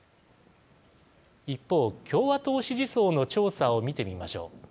一方、共和党支持層の調査を見てみましょう。